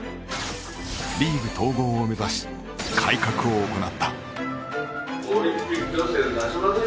リーグ統合を目指し改革を行った。